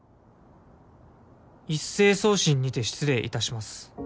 「一斉送信にて失礼致します」